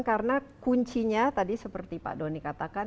karena kuncinya tadi seperti pak doni katakan